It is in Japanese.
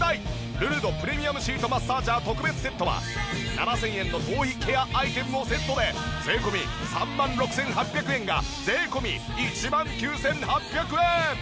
ルルドプレミアムシートマッサージャー特別セットは７０００円の頭皮ケアアイテムもセットで税込３万６８００円が税込１万９８００円。